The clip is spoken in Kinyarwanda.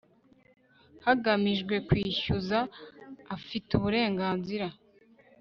hagamijwe kwishyuza afite uburenganzira